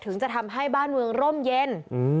ถึงจะทำให้บ้านเมืองร่มเย็น